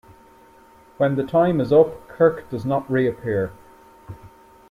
When the time is up, Kirk does not reappear.